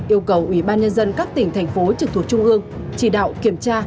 yêu cầu ủy ban nhân dân các tỉnh thành phố trực thuộc trung ương chỉ đạo kiểm tra